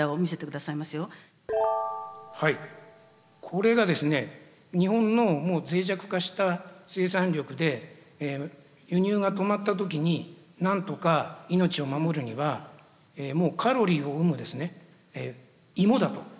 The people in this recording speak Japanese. これがですね日本のもう脆弱化した生産力で輸入が止まった時に何とか命を守るにはもうカロリーを生むですね芋だと。